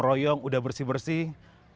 pembangun anak kita mafie